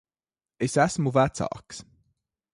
Es esmu vecāks.